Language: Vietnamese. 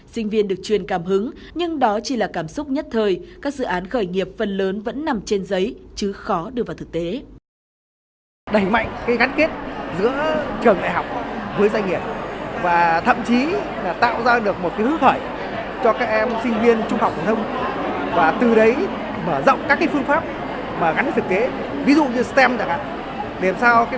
sinh viên được chuyên cảm hứng nhưng đó chỉ là cảm xúc nhất thời các dự án khởi nghiệp phần lớn vẫn nằm trên giấy chứ khó đưa vào thực tế